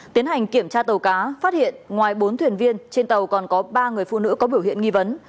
tiến hành kiểm tra tàu cá phát hiện ngoài bốn thuyền viên trên tàu còn có ba người phụ nữ có biểu hiện nghi vấn